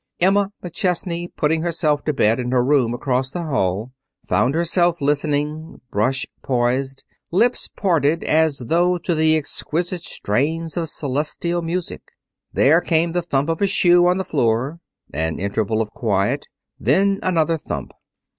Emma McChesney, putting herself to bed in her room across the hall, found herself listening, brush poised, lips parted, as though to the exquisite strains of celestial music. There came the thump of a shoe on the floor. An interval of quiet. Then another thump.